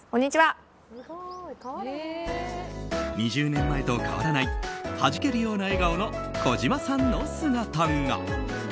２０年前と変わらないはじけるような笑顔のこじまさんの姿が。